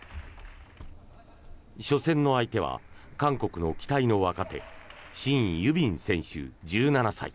初戦の相手は韓国の期待の若手シン・ユビン選手、１７歳。